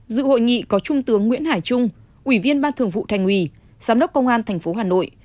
dự hội nghị có trung tướng nguyễn hải trung ủy viên ban thường vụ thành ủy giám đốc công an tp hà nội